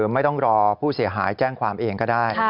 ไม่ต้องรอผู้เสียหายแจ้งความเองก็ได้